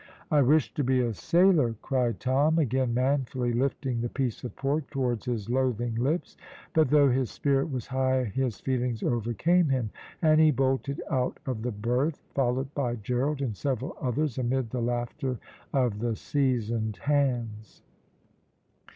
"I wish to be a sailor," cried Tom, again manfully lifting the piece of pork towards his loathing lips, but though his spirit was high his feelings overcame him, and he bolted out of the berth, followed by Gerald and several others, amid the laughter of the seasoned hands.